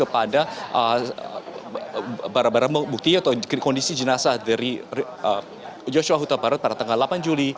pada barang barang bukti atau kondisi jenazah dari joshua huta barat pada tanggal delapan juli